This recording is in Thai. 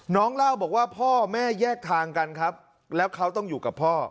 เล่าบอกว่าพ่อแม่แยกทางกันครับแล้วเขาต้องอยู่กับพ่อ